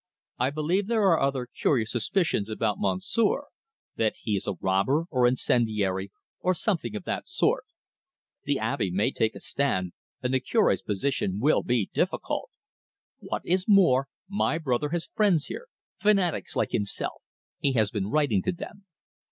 I believe there are other curious suspicions about Monsieur: that he is a robber, or incendiary, or something of the sort. The Abbe may take a stand, and the Cure's position will be difficult. What is more, my brother has friends here, fanatics like himself. He has been writing to them.